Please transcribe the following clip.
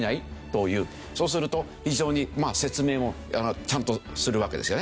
そうすると非常に説明もちゃんとするわけですよね。